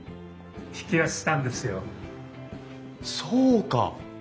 そうか！